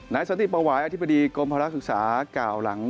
นายสติปวายอธิบดีกลมภาพลักษณ์ศึกษากล่าวหลัง